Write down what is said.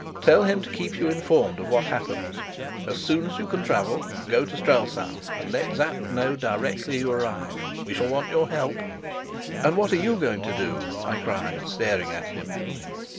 Tell him to keep you informed of what happens. As soon as you can travel, go to Strelsau, and let Sapt know directly you arrive. We shall want your help." "And what are you going to do?" I cried, staring at him.